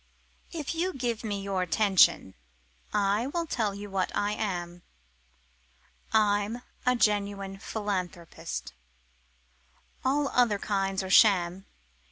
If you give me your attention, I will tell you what I am: I'm a genuine philanthropist all other kinds are sham.